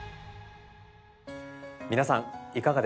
皆さんいかがでしたか？